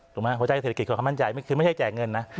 ถูกมั้ยเพราะว่าเศรษฐกิจคือความมั่นใจคือไม่ใช่แจ่เงินนะ